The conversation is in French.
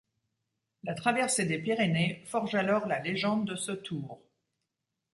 La traversée des Pyrénées forge alors la légende de ce Tour.